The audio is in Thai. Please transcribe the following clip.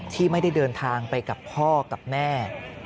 ที่ไม่ได้เดินทางไปกับพ่อกับแม่